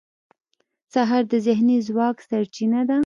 سهار د ذهني ځواک سرچینه ده.